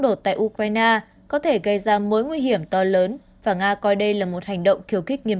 gặp ukraine có thể gây ra mối nguy hiểm to lớn và nga coi đây là một hành động khiếu kích nghiêm